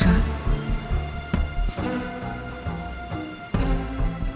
sebenernya mau kamu itu apa sih